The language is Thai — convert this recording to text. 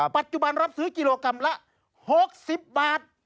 ปัจจุบันรับซื้อกิโลกรัมละ๖๐บาท